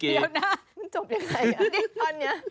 เดี๋ยวนะมันจบอย่างไรอันนี้